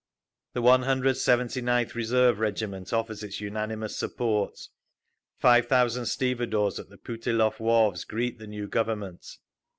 The One Hundred Seventy ninth Reserve Regiment offers its unanimous support. Five thousand stevedores at the Putilov wharves greet the new Government.